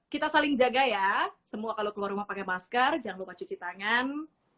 kita saling jaga ya semua kalau keluar rumah pakai masker jangan lupa cuci tangan